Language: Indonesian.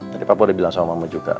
tadi papa udah bilang sama mama juga